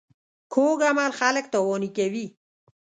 کوږ عمل خلک تاواني کوي